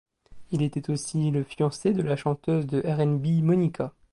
Il était aussi le fiancé de la chanteuse de R&B Monica.